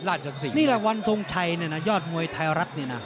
นี่แหละวันทรงชัยยอดมวยไทยรัฐเนี่ยนะ